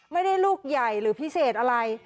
ไม่ได้ลูกใหญ่หรือพิเศษอะไร